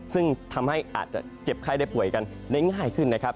ซึ่งทำให้อาจจะเจ็บไข้ได้ป่วยกันได้ง่ายขึ้นนะครับ